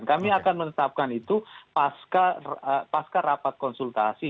kami akan menetapkan itu pasca rapat konsultasi